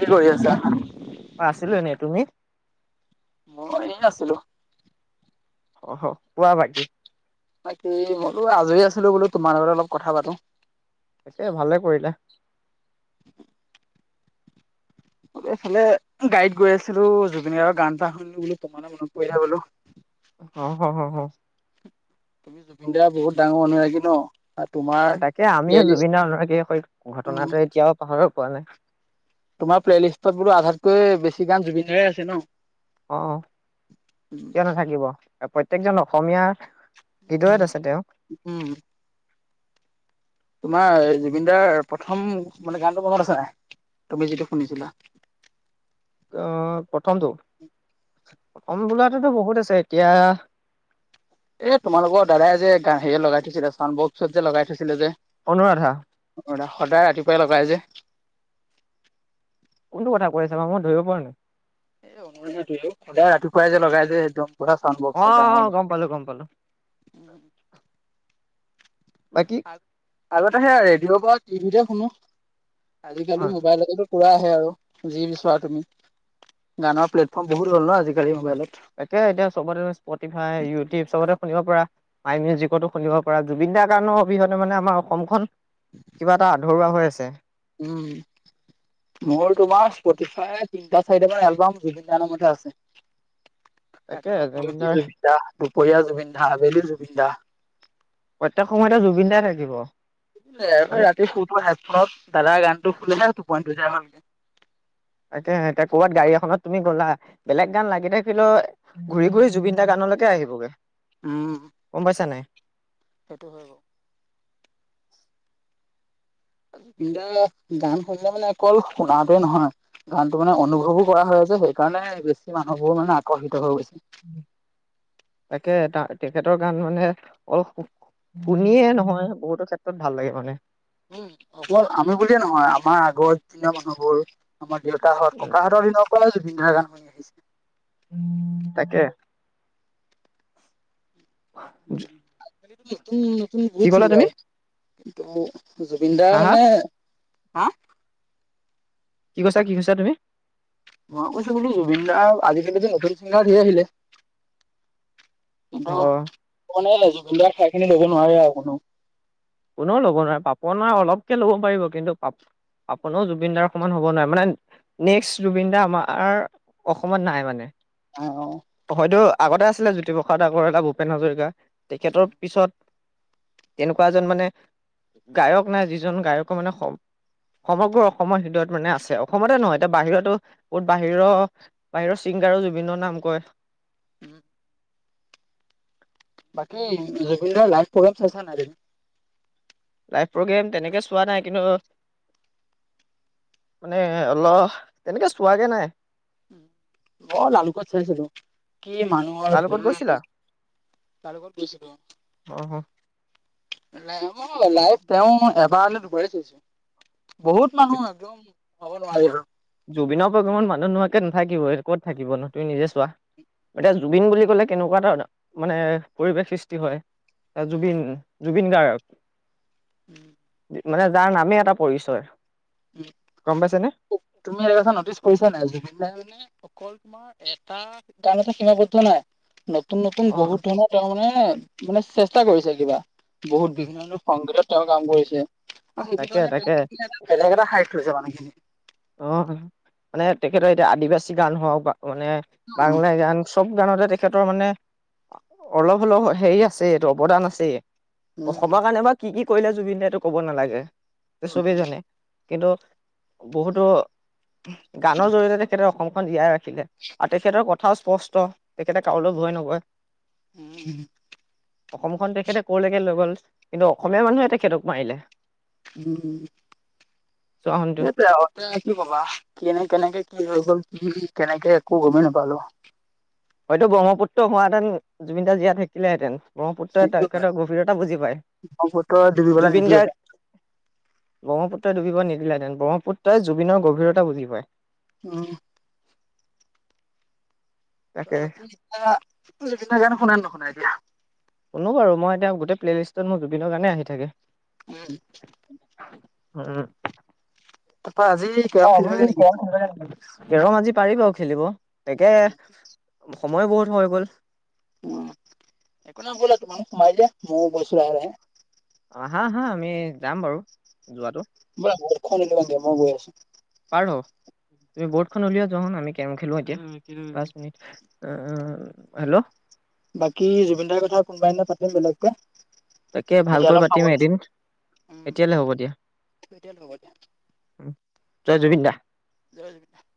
কি কৰি আছা? অ আছিলো এনেই তুমি? মই এনেই আছিলো। অহ কোৱা ভাইটি বাকি মইতো আজৰি আছিলো বোলো, তোমাৰ লগতে অলপ কথা পাতো। এ ভালে কৰিলা এইফালে গাড়ীত গৈ আছিলো জুবিন গাৰ্গৰ গান এটা শুনিলো বোলো তোমালে মনত পৰিলে বোলো। অ হ হ হ তুমি জুবিন দাৰ বহুত ডাঙৰ অনুৰাগী ন আৰু তোমাৰ অ তাকে প্লে আমিও লিষ্ট জুবিন দাৰ অনুৰাগীয়ে হয় উম ঘটনাটো এতিয়াও পাহৰিব পোৱা নাই। তোমাৰ প্লেলিষ্টত বোলো আধাতকৈ বেছি গান জুবিন দাৰে আছে ন অ, কিয় নাথাকিব এ প্ৰত্যেকজন অসমীয়াৰ হদয়ত আছে তেওঁ। উম, তোমাৰ জুবিন দাৰ প্ৰথম মানে গানটো মনত আছ নাই? তুমি যিটো শুনিছিলা? অ প্ৰথমটো প্ৰথম বোলাটোতো বহুত আছে এতিয়া এ তোমালোকৰ দাদাই যে হেৰিয়ত লগাই থৈছিলে যে চাউণ্ড বকচত যে লগাই থৈছিলে যে অনুৰাধা। অণুৰাধা সদায় ৰাতিপুৱাই লগাই যে কোনটো কথা কৈ আছা ম মই ধৰিব পৰা নাই? এ অনুৰাধাটোতো, সদায় ৰাতিপুৱাই যে লগাই যে একদম পুৰা চাউণ্ড বক্সত অ', অ', ডাঙৰ। গম পালো গম পালো। বাকী? আগতে সেইয়া ৰেডিঅ'ৰ পৰা টিভিতে শুনো আজিকালি অ', মোবাইলতেটো পুৰা আহে আৰু যি বিচৰা তুমি, গানৰ প্লেটফৰ্ম বহুত হ'ল ন আজিকালি মোবাইলত। একে এতিয়া চবতে স্পতিফাই, ইউটিউব চবতে শুনিব পাৰা। মাই মিউজিকতো শুনিব পাৰ জুবিন দাৰ গানৰ অবিহনে মানে আমাৰ অসমখন কিবা এটা আধৰুৱা হৈ আছে। উম। মোৰ তোমাৰ স্পফটিফাই তিনিটা চাৰিটামান এলবাম জুবিন দাৰ নামতে আছে। তাকে ৰাতিপুৱা শুই জুবিনদাৰ উঠি জুবিন দা, দুপৰীয়া জুবিন দা, আবেলি জুবিন দা। প্ৰত্যেক সময়তে জুবিন দাই থাকিব। এ মানে ৰাতি শুতো হেডফোনত দাদা গানটো শুনিহে টোপনিটো যায় ভালকে। তাকেহে এতিয়া ক'ৰবাত গাড়ী এখনত তুমি গ'লা, বেলেগ গান লাগি থাকিলেও ঘূৰি ঘূৰি জুবিন দাৰ গানলৈকে আহিবগে। উম। গম পাইছা নাই? সেইটো হয় অ। বিন দা গান [unintelligible] অকল শুনাটোৱে নহয় গানটো মানে অনুভৱো কৰা হয় আছে সেইকাৰণে বেছি মানুহবোৰ মানে আকৰ্ষিত হৈ গৈছে। [inaudible] একে তা তেখেতৰ গান মানে অলপ হো- শুনিয়ে নহয় বহুতো ক্ষেত্ৰত ভাল লাগে মানে। উম অকল আমি বুলিয়ে নহয় আমাৰ আগৰ দিনা মানুহবোৰ আমাৰ দেউতাহত, ককাহঁতৰ দিনৰ পৰাই জুবিন দাৰ গান শুনি আহিছে। উম তাকে। জু- আজিকালিতো নতুন নতুন বহুত চিংগাৰ কিন্তু জুবিন দাৰ হা হা মানে হা। কি কৈছা কি কৈছা তুমি? মই কৈছো বুলো জুবিন দাৰ আজিকালিতো নতুন ছিংগাৰ ঢেৰ আহিলে। অ কিন্তু পনে জুবিনদাৰ ঠাইখিনি ল'ব নোৱাৰে আৰু কোনো। কোনেও ল'ব নোৱাৰে পাপন নাই অলপকে ল'ব পাৰিব কিন্তু পাপ- পাপনেও জুবিনদাৰ সমান হ'ব নোৱাৰে মানে নেক্স জুবিন দা আমাৰ অসমত নাই মানে। নাই অ। হয়তো আগতে আছিলে জ্যোতিপ্ৰসাদ আগৰৱালা, ভূপেন হাজৰিকা তেখেতৰ পিছত তেনেকুৱা এজন মানে গায়ক নাই যিজন গায়কৰ মানে স- সমগ্ৰ অসমৰ হৃদয়ত মানে আছে অসমতে নহয় এতিয়া বাহিৰতো ক'ত বাহিৰ বাহিৰৰ ছিংগাৰো জুবিনৰ নাম কয়। [unintelligible] বাকি জুবিন দাৰ লাইভ প্ৰগ্ৰাম চাইচা নাই? লাইভ প্ৰগ্ৰেম তেনেকে চোৱা নাই কিন্তু মানে অল তেনেকে চোৱাগে নাই? মই লালুকত চাইছিলো, কি মানুহ। তাৰ লগত গৈছিলা [unintelligible] লালুকত গৈছিলো অ। অ লাইভ অ, লাইভ তেওঁ এবাৰলে দুবাৰে চাইছোঁ। বহুত মানুহ একদম ক'ব নোৱাৰি আৰু। জুবিনৰ প্ৰগ্ৰেমত মানুহ নোহোৱাকে নাথাকিব‌ই ক'ত থাকিব নো তুমি নিজে চোৱা। এতিয়া জুবিন বুলি ক'লে কেনেকুৱা ধৰণৰ এটা মানে পৰিৱেশ সৃষ্টি হয়? এ উম জুবিন- জুবিন গাৰ্গ। [inaudible] মানে যাৰ নামে এটা পৰিচয় উম গম পাইছেনে? তুমি এটা কথা নটিচ কৰিছা নাই জুবিন দাই [unintelligible] অকল তোমাৰ এটা গানতে সীমাবদ্ধ নাই নতুন-নতুন অ বহুত ধৰণৰ তেওঁ মানে- মানে চেষ্টা কৰিছে কিবা। বহুত বিভিন্ন [unintelligible] সংগীতত তেওঁ কাম কৰিছে। অ, সেইটো তাকে কাৰনে তাকে তেঁওক কিবা এটা বেলেগ এটা শাৰীত থৈছে মানুহখিনি। অ, মানে তেখেতৰ এতিয়া আদিবাচি গান হওক বা মানে উম বাংলা গান চব গানতে তেখেতৰ মানে অলপ হলেও হেৰি আছে এইটো অৱদান আছে। উম অসমৰ কাৰণে বা কি- কি কৰিলে জুবিন দাই এইটো কব নালাগে উম চবেই জানে কিন্তু বহুতো গানৰ জৰিয়তে তেখেতে অসমখন জীয়াই ৰাখিলে। আৰু তেখেতৰ কথাও স্পষ্ট তেখেতে কাৰুলৈ ভয় নকৰে। উম, অসমখন তেখেতে কৰলৈকে লৈ গ'ল কিন্তু অসমীয়া মানুহে তেখেতক মাৰিলে। উম- উম চোৱাচোনটো। সে তে আৰু কি কবা কেনে- কেনেকে কি হৈ গল কি কেনেকে একো গমে নেপালোঁ। হয়তো ব্ৰহ্মপুত্ৰ হোৱাহেতেন জুবিনদাই জীয়াই থাকিলেহেঁতেন। ব্ৰহ্মপুত্ৰই সেইটো হয় তেখেতৰ গভীৰতা বুজি পায় ব্ৰহ্মপুত্ৰই ডুবিবলৈ জুবিন নিদিয়ে তাক গাৰ্গ ব্ৰহ্মপুত্ৰই ডুবিব নিদিলেহেতেন ব্ৰহ্মপুত্ৰই জুবিনৰ গভীৰতা বুজি পায়। উম, ত' তাকে বাকী এতিয়া জুবিন দাৰ গান শুনা নে নুশুনা এতিয়া? শুনো আৰু মই এতিয়া গোটে প্লে লিষ্টত মোৰ জুবিনৰ গানে আহি থাকে। উম, হম, তাৰপা আজি [unintelligible] কেৰম খেলিবাগে নেকি? কেৰম আজি পাৰিব আৰু খেলিব তেকে সময় বহুত হৈ গ'ল। [unintelligible] একো নাই ব'লা তোমালোক সোমাই দিয়া ম‌ইও গৈছো লাহে- লাহে। অ, আহা -আহা আমি যাম বাৰু যোৱাটো। বলা বৰ্ডখন ওলমাই দিয়া মই গৈ আছোঁ। বাৰু। তুমি বৰ্ডখন উলিয়া যোৱা হোন আমি কেৰম খেলো এতিয়া পাঁচ মিনিট উম -উম হেল্ল', বাকী জুবিনদাৰ কথা কোনবা দিনা পাতিম বেলেগ। তাকে ভালকৈ পাতিম এদিন। উম এতিয়ালে হ'ব দিয়া এতিয়া হ'ব দিয়া উম, জয় জুবিন দা। [unintelligible]